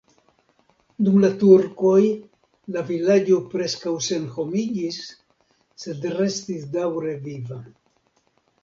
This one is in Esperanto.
Dum la turkoj la vilaĝo preskaŭ senhomiĝis, sed restis daŭre viva.